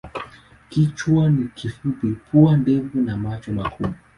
Kichwa ni kifupi, pua ndefu na macho makubwa.